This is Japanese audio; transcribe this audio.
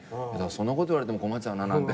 そんなこと言われても困っちゃうななんて。